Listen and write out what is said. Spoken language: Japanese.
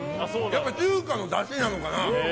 中華のだしなのかな。